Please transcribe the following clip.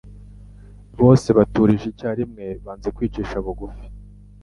Bose baturije icyarimwe banze kwicisha bugufi.